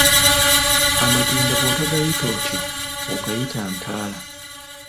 Amadinda bw'otagayita otyo ogayita Ntaala.